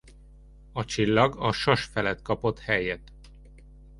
A csillag a sas felett kapott helyet.